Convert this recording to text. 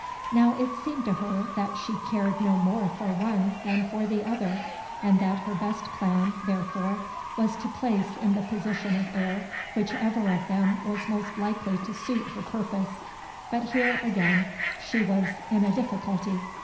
Now it seemed to her that she cared no more for one than for the other, and that her best plan therefore was to place in the position of heir whichever of them was most likely to suit her purpose. But here, again, she was in a difficulty.